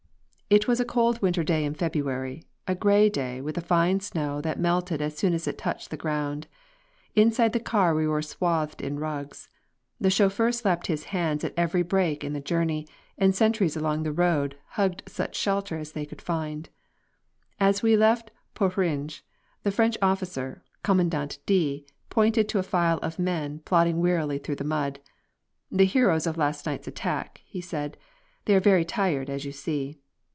It was a cold winter day in February, a grey day with a fine snow that melted as soon as it touched the ground. Inside the car we were swathed in rugs. The chauffeur slapped his hands at every break in the journey, and sentries along the road hugged such shelter as they could find. As we left Poperinghe the French officer, Commandant D , pointed to a file of men plodding wearily through the mud. "The heroes of last night's attack," he said. "They are very tired, as you see."